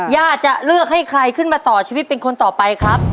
ย่าจะเลือกให้ใครขึ้นมาต่อชีวิตเป็นคนต่อไปครับ